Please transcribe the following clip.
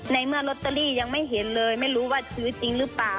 ในเมื่อลอตเตอรี่ยังไม่เห็นเลยไม่รู้ว่าซื้อจริงหรือเปล่า